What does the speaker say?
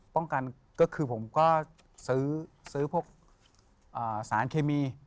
กันก็คือผมก็ซื้อพวกสารเคมี